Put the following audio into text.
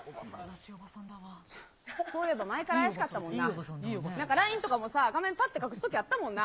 そういえば前から怪しかったもんな、なんか、ＬＩＮＥとかもさ、画面ぱっと隠すときあったもんな。